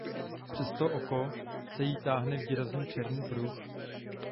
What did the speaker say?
Přes oko se jí táhne výrazný černý pruh.